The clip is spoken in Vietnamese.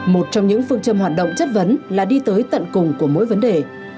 một trong những phương châm hoạt động chất vấn là đi tới tận cùng của mỗi vấn đề